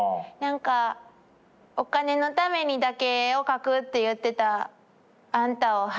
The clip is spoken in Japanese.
なんかお金のためにだけ絵を描くって言ってたあんたを恥じます。